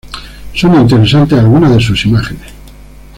Son interesantes algunas de sus imágenes.